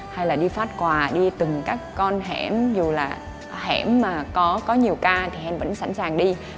hay là đi phát quà đi từng các con hẻm dù là hẻm mà có nhiều ca thì hẹn vẫn sẵn sàng đi